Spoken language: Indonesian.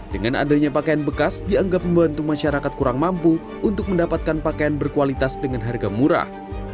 dengan adanya pakaian bekas dianggap membantu masyarakat kurang mampu untuk mendapatkan pakaian berkualitas dengan harga murah